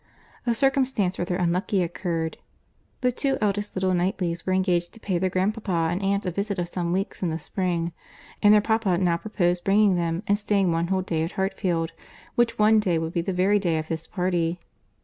A circumstance rather unlucky occurred. The two eldest little Knightleys were engaged to pay their grandpapa and aunt a visit of some weeks in the spring, and their papa now proposed bringing them, and staying one whole day at Hartfield—which one day would be the very day of this party.